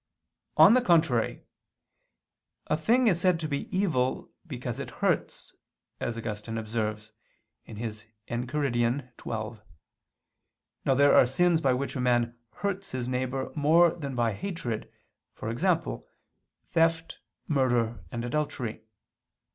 On the contrary, A thing is said to be evil, because it hurts, as Augustine observes (Enchiridion xii). Now there are sins by which a man hurts his neighbor more than by hatred, e.g. theft, murder and adultery.